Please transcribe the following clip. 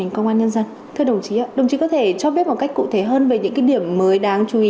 các đồng chí có thể cho biết một cách cụ thể hơn về những điểm mới đáng chú ý